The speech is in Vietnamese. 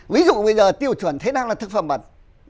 ví dụ bây giờ tiêu chuẩn thế năng là thực phẩm bẩn